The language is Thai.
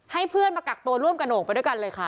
ให้เพื่อนมากักตัวร่วมกระโหกไปด้วยกันเลยค่ะ